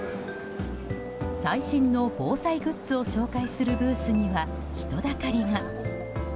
最新の防災グッズを紹介するブースには人だかりが。